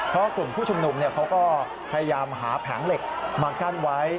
เพราะว่ากลุ่มผู้ชุมนุมเขาก็พยายามหาแผงเหล็กมากั้นไว้